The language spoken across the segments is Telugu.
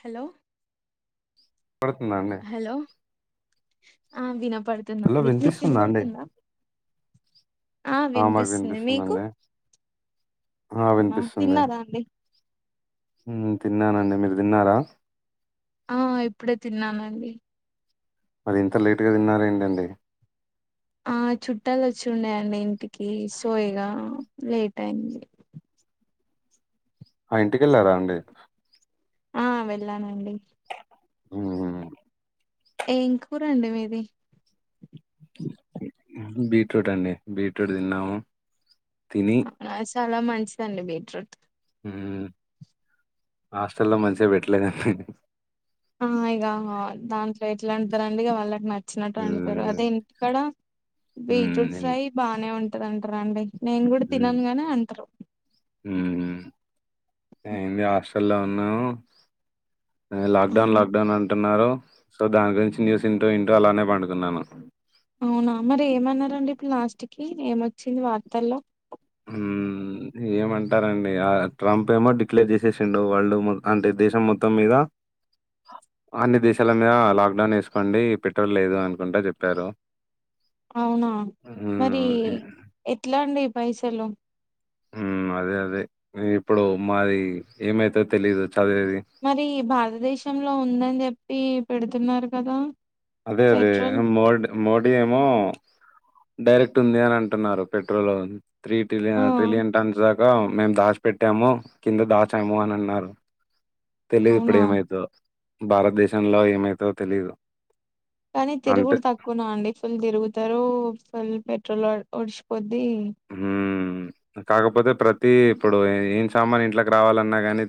హలో [unintelligible] పడుతుందా అండి హలో ఆ విన పడుతుంది హలో అండి మీకు వినిపిస్తుందా అండి వినపడుతుందా ఆ మాకు వినిపిస్తుంది మీకు వినిపిస్తుందిండి ఆ వినిపిస్తుంది తిన్నారా అండి తిన్నానండి మీరు దిన్నారా ఆ ఇప్పుడే తిన్నానండి మరి ఇంత లేట్ గా తిన్నారేంటండి ఆ చుట్టాలు వచ్చి ఉన్నాయండి ఇంటికి కి సో ఇగా లేట్ అయింది ఆ ఇంటికెళ్ళారా అండి ఆ వెెళ్ళానండి ఆమ్ ఏం కూర అండి మీది బీట్రూట్ అండి బీట్రూట్ దిన్నాము తిని అవునా చాలా మంచిదండి బీట్రూట్ ఉ హాస్టల్లో మంచిగా పెట్టలేదా అండి ఆ ఇగా దాంట్లో ఎట్లాంటారండి ఇగ వాళ్ళకి న నచ్చినట్టు వండుతారు అదే ఇంటికాడ బీట్రూట్ మ్మ్ ఫ్రై బానే ఉం తంట రండి నేను గుడా మ్మ్ తినను గాని అంటరు ఏమి హాస్ హాస్టల్లో ఉన్నాము లాక్ డౌన్ అవునా లాక్ డౌన్ అంటున్నారు సో దాని గురించి న్యూస్ ఇంటు ఇంటు అలానే పండుకున్నాను అవునా మరి ఏమన్నారండి ఇప్పుడు లాస్ట్ కి ఏమొచ్చింది వార్తల్లో హుమ్ ఏమంటారండి ట్రంప్ ఏమో డిక్లేర్ చేసేసిండడు వరల్డ్ అంటే దేశం మొత్తం మీద అన్ని దేశాల మీద లాక్డౌన్ ఏసుకోండి పెట్రోల్ లేదు అనుకుంటా చెప్పారు అవునా మరి ఎట్లా అండి పైసలు ఉమ్ అదే అదే ఇప్పుడు మాది ఏమైతాదో తెలీదు చదివేది. మరి భారతదేశంలో ఉందని జె ప్పి పెడుతున్నారు కదా అదే అదే పెట్రోల్ మోడ్ మోడీ ఏమో డైరెక్ట్ ఉంది అని అంటున్నారు పెట్రోల్ త్రీ టిలి ఆ ట్రిలియన్ టన్స్ మేము దాచిపెట్టాము కింద దాచాము అని అన్నారు. తెలీదు ఇప్పుడు అవునా ఏమవుతదొ భారతదేశంలో ఏమైతదో తెలీదు. కానీ అంతే. తిరుగుడు తక్కువన అండి ఫుల్ తిరుగుతారు. పెట్రోల్ ఒడిసిపోద్ది. బ హ్మ్. కాకపోతే ప్రతి ఇప్పుడు ఏం సామాన్ ఇంట్లకి రావాలన్నా గానీ,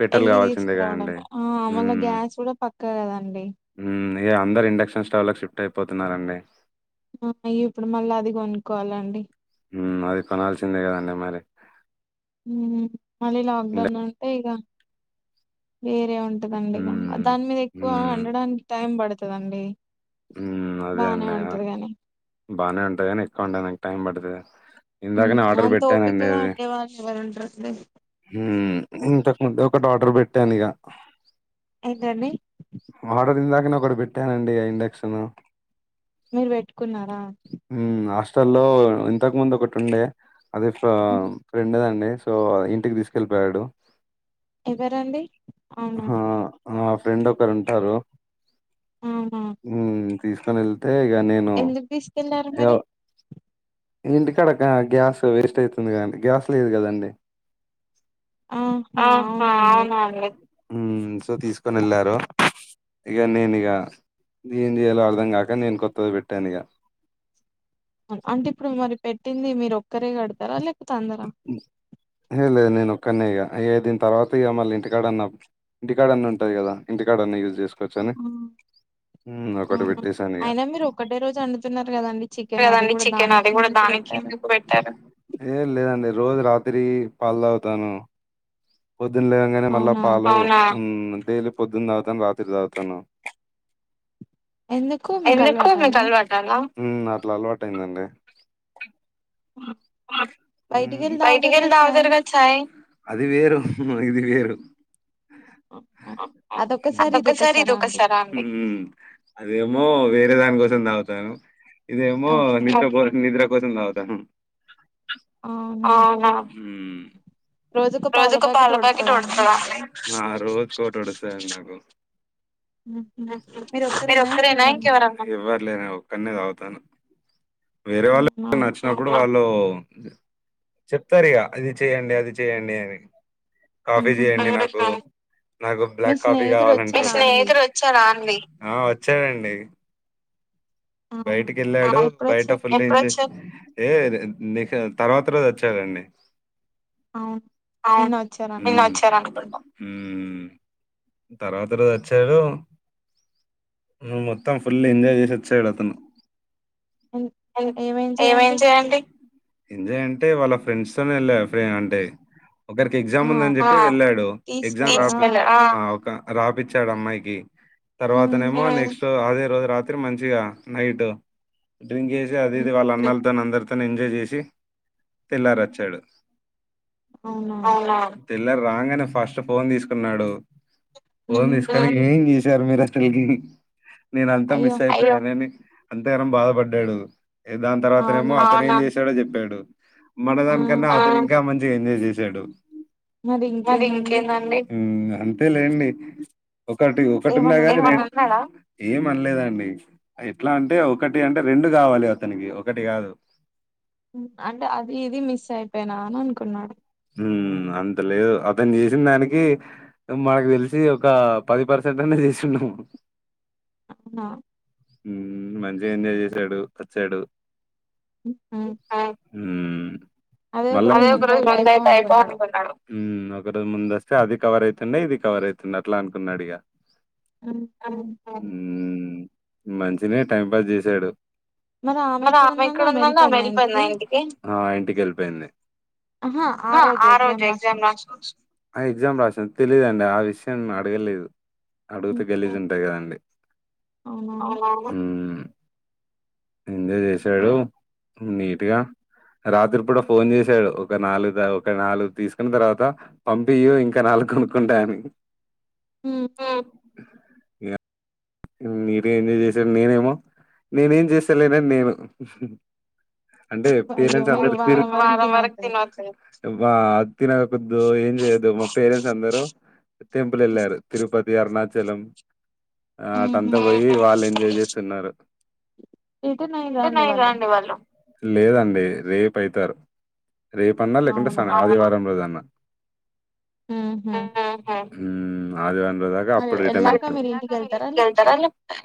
పెట్రోల్ వెళ్ళి కావాల్సిందేగా తీసుకురావడం అండి. ఆ మళ్ళా ఉమ్ గ్యాస్ కూడా పక్క కదండి ఉం అందరు ఇండక్షన్స్ చాలా షిఫ్ట్ అయిపోతున్నారండి. ఇప్పుడు మళ్ళా అది కొనుక్కోవాలండి. అది కొనాల్సిందే కదండి మరి. ఉమ్ మళ్ళీ లాక్ ఇండ డౌన్ అంతే ఇగ వేరే ఉంట దండి ఇగ హ్మ్. దాని మీద ఎక్కువ హ్మ్. అండడానికి టైం పడుత కదండీ. బానే ఉంటది కాని బాగానే ఉంటాది. కానీ ఎక్కువ వండనీకి నాకు టైం పడుతది. ఇందాకనే ఆర్డర్ అంత పెట్టానండి ఓపికగా అది అండేవాళ్ళు ఎవరు ఉంటారండి హ్మ్ ఇంత ఒకటి ఆర్డర్ పెట్టాను ఇగ ఏంటండీ. ఆర్డర్ ఇందాక నే ఒకటి పెట్టానండి ఆ ఇండక్షన్. మీరు పెట్టుకున్నారా. లో ఇంతకు ముందు ఒకటి ఉండే అదే ఫ ఉమ్, ఫ్రెండ్ దండి. సో ఇంటికి తీసుకెళ్ళిపోయాడు. ఎవరండి అవునా ఆహా ఆ రెండు ఇక్కడ ఉంటారు. ఆహా మ్మ్ తీసుకు కానీ ఏ ఇగ నేను ఎందుకు తీసుకెళ్లారు మరి ఇంటికాడక గ్యాస్ వేస్ట్ అవుతుంది క గ్యాస్ లేదు కదండి. అహ అవునా అండి. ఉమ్ సో తీసుకొని వెళ్ళారు ఇక నేను ఇక ఏం చేయాలో అర్థం కాక నేను కొత్తది పెట్టా ఇగ అంటే ఇప్పుడు మరి పెట్టింది మీరు ఒక్కరే కడతారా లే హె లే నేను ఒకనే ఇక దీని తర్వాత ఇక మళ్ళీ ఇంటికాడన్నా ఇంటికాడన్న ఉంటది కదా ఇంటికాడన్న యూజ్ చే ఒకటి పెట్టేసానిగ. అయినా మీరు ఒకటే రోజు అండుతున్నారు కదండి చికెన్ అది కదండి కూడా చికెన్ అది దానికి కూడా ఎందుకు దానికి పెట్టారు ఎందుకు పెట్టారు ఏ లేదండి రోజు రాత్రి పాల్లు తాగుతాను పొద్దున లేగాంగానే మళ్ళా అవునా పాలు డైలీ పొద్దున్న తాగుతాను రాత్రి తాగుతాను ఎందుకు మీకు ఎందుకు అలవాట మీకు అలా ఆలవాట అలా ఉమ్ అట్ల ఆలావాటు అయిందండి వై బైటికెళ్లి తాగుతారుగా ఛాయి అది వేరు ఇది వేరు అదొక్కసారి ఇది ఇదొక్కసారా అండి ఒక్కసార అదేమో అదే దానికోసం దాగుతాను ఇదేమో ఓకే నిద్ర నిద్ర పొద్దున తాగుతాను అవునా రోజు ఒక పాల ప్యాకెట్ ఉడతా అండి ఆ రోజుకు ఒకటి ఉడతి అండి నాకు మీరు ఒక్కరేనా ఇంక ఎవర్నా లే నేన ఒకనే తాగుతాను వేరే వాళ్ళు అవునా వచ్చినప్పుడు వా లో చెప్తారు ఇక అది చెయ్యడి అది చెయయండి అని కాఫీ ఉహు చేయండి నాకు నాకు మీ బ్లాక్ కాఫీ స్నేహితుడు వచ్చారా అండి కావాలడిచ్చన్ ఆ వచ్చాడండి అవునా బయటికి వెళ్ళాడు బయట ఎప్పుడొచ్చారు ఫులు ఏం ఏ ని తర్వాత రోజు వచ్చారంండి అవును ఆ నిన్న వచ్చారు నిన్న అనుకుంటా వచ్చార తర్వాత రోజు వచ్చాడు నువ్వు మొత్తం ఫుల్ ఎంజాయ్ చేసి వచ్చాడు ఆతను ఎన్- ఏమేం ఏం చేయండి ఎంజాయ్ అండి ఎంజాయ్ అంటే వాళ్ళ ఫ్రెండ్స్ తోనే వెళ్ళ అంటే ఒకరికి ఆ ఎగ్జామ్ ఉందని చెప్పి వెళ్ళాడు ఎగ్జా తీసుకెళ్ళారు ఆ రాపిచ్చాడు అమ్మాయికి ఉమ్ తర్వాతనేమో నెక్స్ట్ ట్ అదే రోజు రాత్రి మంచిగా నైట్ డ్రింక్ చేసి అది ఉమ్, వాళ్ళ అన్నల్ తను అందరితో ఎంజాయ్ చేసి తెల్లార వచ్చాడు అవునా తెిల్లరు రాంగనే ఫస్ట్ ఫోన్ తీసుకున్నాడు ఫోన్ ఉమ్ తీస్కొని [unintelligible] అర్ మీర్ [unintelligible] నేన్ అంతా అయ్యో మిస్ అయితే అనని అంతే గానం బాధపడ్డాడు దాని తర్వాతనేమో అవునా అతనే చేస్ చడ చెప్పాడు ఆ మనదన కన్నా ఇంకా మం ఎంజాయ్ చేశాడు మరి ఇంకేందండి ఉమ్ అంతే లేండి ఒకటి ఒకటి ఉన్నా ఏమన్నా కానీ అన్నాడా ఏం అనలేదాండి ఎట్లా అంటే ఒకటి అంటే రెండు కావాలి అతనికి ఒకటి కాదు అంటే అది ఇది మిస్ అయిపోయినా నాన్ కున్నాడు ఉమ్ అంత లేదు అతను చేసిన దానికి మాకు తెలిసి ఒక పది పర్సెంట్ అన్న చేసిందము అవునా ఉమ్ మంచిగా ఎంజాయ్ చేసాడు వచ్చాడు అ ఆ ఉమ్ అదే ఒకరోజు ముందుతయతే [unintelligible] [inaudible] ఉమ్ ఒక రోజు ముంద వస్తే అది కవర్ అవుతుండే ఇది కవర్ అవుతుండంది అట్లా అనుకున్నాడు ఇగా ఉహు. హమ్ మంచిినే టైం పాస్ చేసాడు మరి ఆమె ఎక్కడ ఉందండి ఆమె వెళ్ళిపోయిందా ఇంటికి ఆ ఇంటికి ఎళ్ళిపోయింది ఆహా రోజు ఆ ఎగ్జామ్ రజు రాసి వచ్చి ఎగ్జామ్ రాసం నేను అడగలేదు అడుగుతే గెలిసి ఉంటాయి కదండి అవునవును ఎంజాయ్ చేశాడు నీట్గా రాత్రి కూడా ఫోన్ చేశాడు ఒక నాలుగు ఒక నాలుగు తీసుకున్న తర్వాత పంపి ఇంకా నాలుగు కొనుక్కుంటా అని హ ఇగ మీరే ఎంజాయ్ చేశారు నేనేమో నేనేం చేస్తాలేనని నేను అంటే అయ్యో పేరెంట్స్ మీరు అందరు వారం వరకు తినొద్దు బ తినకదు ఏం చేయద్దు మా పేరెంట్స్ అందరు టెంపుల్ వెళ్ళారు తిరుపతి అరుణాచలం ఆ ఉహు. ఆటంతా పోయి వాళ్ళు ఎంజాయ్ చేస్తున్నారు రిటర్న్ ఎంటనే అయ్యిరండి ఇలా అండి వాళ్ళు లేదండి రేపు అయితారు రేప అన్నా లేకుంటే స అవునా ఆదివారం రోజు అన్నా హమ్. హమ్ అదివ. ఎప్పుడూ దాకా అప్పుడు రిటన్. ఇంటికి వెళ్తారా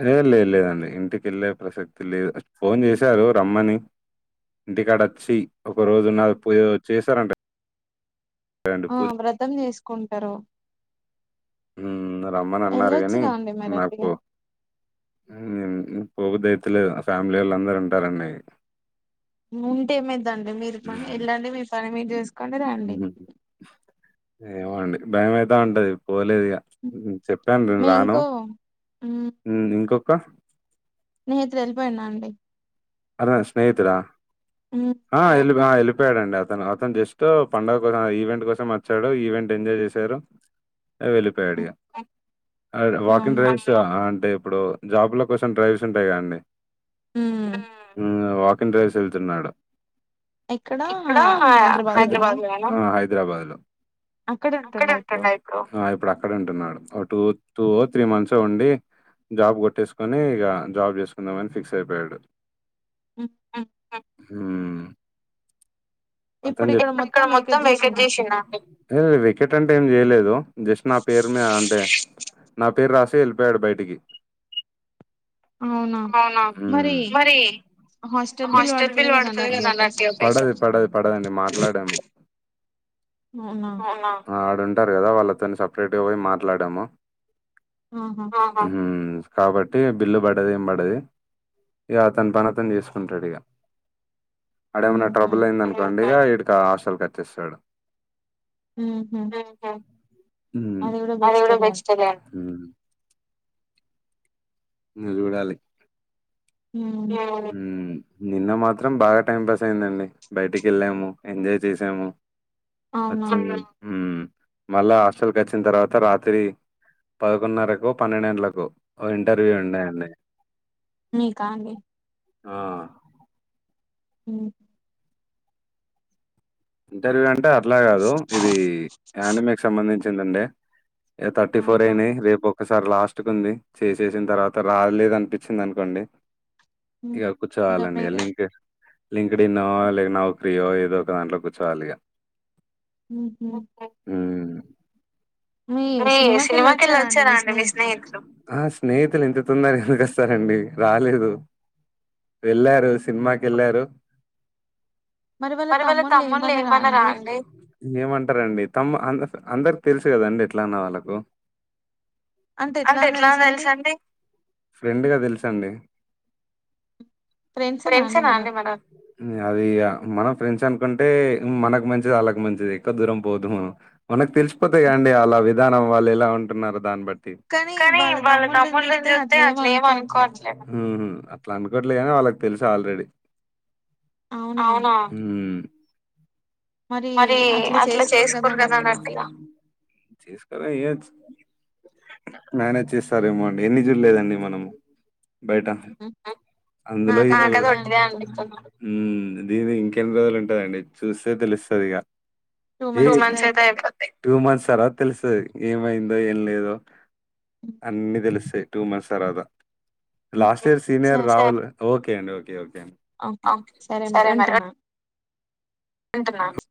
లే లేదు లేదండి ఇంటికెళ్ళే ప్రసక్తి లేదు ఫోన్ చేశారు రమ్మని. ఇంటికాడ వచ్చి ఒక రోజు. [unintelligible] చేశారంటే. ఆ వ్రతం చేసుకో. కుంటారు. హమ్. నన్ను రమ్మని అన్నారు కాని వెళ్ళొచ్చుగా అండి మరి అట్టిగా నాకు. పొందిదైతులేదు ఫ్యామిలీ వాళ్ళు అందరూ ఉంటారండి. ఉంటేమైతంది మీరు పని వెళ్ళండి మీ ఫ. మీరు చెస్ హమ్. ఏమో అండి భయంయితా ఉంటది. పోలేదిగా చెప్పాను నేను మీ రాను ఇంకో ఉమ్, ఇంకొ. ఇంకా నేత్రి ఎలిపోయిన్నా అండి. అతని స్నేహితుడా? ఉమ్, ఆ ఎలి ఆ వెళ్ళిపోయాడండి అతను అతను జస్ట్ పండగ కోసం ఈవెంట్ కోసం వచ్చాడు ఈవెంట్ ఎంజాయ్ చేశారు. ఆ ఉమ్, వెళ్ళిపోయడిగా ఆ వాకింగ్ అవునా డ్రైవ్స్ ఆ ఆ అంటే ఇప్పుడు జాబ్ లో కొసం డ్రైవ్స్ ఉంటైగా అండి. ఉ ఇగ వాకింగ్ డ్రైవ్స్ వెళ్తున్నాడు. ఎక్కడ హ హైదరాబాద్ లోన హా హై హైదరాబాద్ లో అక్కడే ఉంటుండా ఇప్పుడు ఆ ఇప్ ఇప్పుడు అక్కడ ఉంటున్నాడు ఒక టూ టూ ఒ త్రీ మంత్స్ ఉండి జాబ్ కొట్టేసుకొని ఇక జాబ్ చేసుకుందామని ఫిక్స్ అయిపోయిండు. ఉ ఉ ఊ ఇప్పుడు అతన్ జెప్ ఇపుడు ఇక్కడ మొత్తం వేకెట్ వెకేట్ చేసిండండి జేషిండా అండి లేద్ లే వెకేట్ అంటే ఏం జేయలేదు. లో జస్ట్ నా పేరుమే అంటే నా పేరు రాసే వెళ్ళిపోయాడు బయటికి అవునా మరి హాస్టల్ బిల్ పడుతది కదా అలార్టి ఒకేస్ పడది పడది పడదండి మాట్లాడం లే అవునా ఆడుండ్ అంటారు కదా వాళ్ళతోని సపరేట్ గా పోయి మాట్లాడము ఆహా ఊ ఊ కాబట్టి బిల్లు పడది ఏం పడది ఇగ అతని పని అతను చేసుకుంటడు ఇగ అడేమన్నా ఊహూ ట్రబుల్ అయిందను అండుగా ఈడు హాస్టల్ కచ్చేస్తాడు ఊహూ ఓహో ఊ అది కూడా బెస్ట్ ఏ గా ఏడు నువ్ జూడాలి హ్మ్ లోను ఊ నిన్న మాత్రం బాగా టైం పాస్ అయిందండి బయటికి వెళ్ళాము ఎంజాయ్ చేసాము అచ్చింది అవునా ఊ మళ్ళా హాస్టల్ కచ్చిన్ తర్వాత రాత్రి పదకొన్నరకొ పన్నెండు గంటలకొ ఓ ఇంటర్వ్యూ ఉండే అండి మీకా అండి ఆ ఉహు ఇంటర్వ్యూ అంటా ఇట్లా కాదు ఇది యానిమకి సంబంధించి తేమ్మన్య ఏ థర్టీ ఫోర్ ఆహా అయినాయి రేపు ఒకసారి లాస్ట్ కు ఉంది చేసేసిన తర్వాత రాలేద అనిపించింది అనుకోండి హ్మ్ ఇక ఇంగ కూర్చోవాలండి మీరే ఎల్లి ఇక లింక్డిన్ లేక నౌకీయో ఏదో ఒక దాంట్లో కుర్చు వాలిగా ఉహు ఇప్పుడే సినిమాకెళ్ళి వచ్చారా అండి మీ స్నేహితులు స్నేహితులు ఇంత తొందరగా ఎందుకొస్తారండి రాలేదు వెళ్ళారు సినిమాకి వెళ్ళారు మరి వాళ్ళ తమ్ముళ్ళు తమ్ములు ఏమనరా ఏమన రా అండి అండి అందరికి తెలుసు కదండి ఇంట్లో ఉన్న వాళ్ళకు అంటే ఎట్లా తెలుస అండి తండే ఫ్రెండ్సేనా ఫ్రెండ్స్ నా మరి అండి మనం ఫ్రెండ్స్ అనుకుంటే మనకు మంచిది వాళ్ళకి మంచిది ఎక్కవ దూరం పోదు మ మనకు తెలుసు ముప్ప తే అల [unintelligible] విధానం వాళ్ళు ఎలా ఉంటున్నారొ దాన్ని బట్టి కానీ వాళ్ళ తమ్ముళ్ళని తమ్ముళ్ని చూస్తే అట్లే ఏం అట్లు ఏమ్ అనుకోవట్లేదు అనుకోట్లే అట్లా అనుకోవట్లే గాని వాళ్ళకి తెలుసు ఆల్రెడీ అవునా మరి అట్లా కదా చేసుకోరు అన్నట్టుగా ఇయ్యాచ్చు మేనేజ్ చేస్తారు ఏమో ఎన్ని చూడలేదండి మనం బయట అందులో నాకది ఒట్టిదే అనిపిస్తుంది మ్మ్ దీని ఎన్ని రోజులు ఉంటుదండి చూస్తే తెలుసు తెలివిగా టూ మంత్స్ అయితే అయ్యిపొతాయి టూ మంత్స్ తర్వాత తెలుస్తాది ఏమైంది తో ఏం లేదు అన్నీ తెలుస్తాయి టూ మంత్స్ తరువాత లాస్ట్ ఇయర్ సీనియర్ సరే రాహుల్ ఓ అండి ఓకే కే ఓకే సరే మరి ఉంటున్నా ఉంటుంన్నా